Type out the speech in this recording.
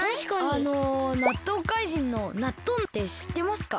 あのなっとうかいじんのなっとんってしってますか？